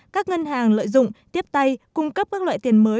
các ngân hàng lợi dụng tiếp tay cung cấp các loại tiền mới